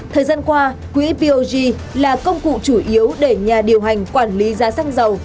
thời gian qua quỹ bog là công cụ chủ yếu để nhà điều hành quản lý giá xăng dầu